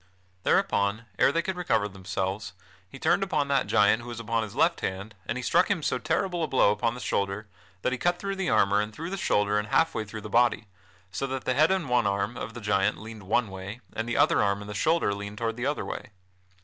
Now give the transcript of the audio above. Thereupon, ere they could recover themselves, he turned upon that giant who was upon his left hand and he struck him so terrible a blow upon the shoulder that he cut through the armor and through the shoulder and half way through the body, so that the head and one arm of the giant leaned toward one way, and the other arm and the shoulder leaned toward the other way.